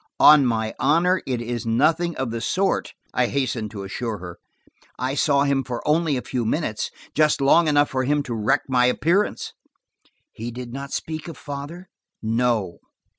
"On my honor, it is nothing of the sort," I hastened to assure her. "I saw him for only a few minutes, just long enough for him to wreck my appearance." "He did not speak of father ?" "No."